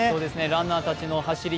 ランナーたちの走り